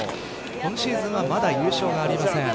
今シーズンはまだ優勝がありません。